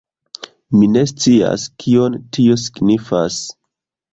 Mi ne scias kion tio signifas...